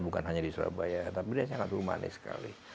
bukan hanya di surabaya tapi dia sangat humanis sekali